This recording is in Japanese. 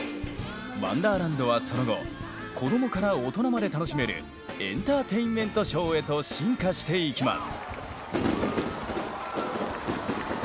ワンダーランドはその後子どもから大人まで楽しめるエンターテインメントショーへと進化していきます。